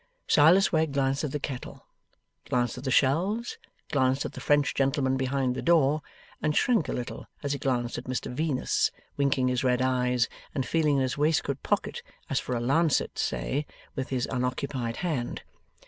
Silas Wegg glanced at the kettle, glanced at the shelves, glanced at the French gentleman behind the door, and shrank a little as he glanced at Mr Venus winking his red eyes, and feeling in his waistcoat pocket as for a lancet, say with his unoccupied hand.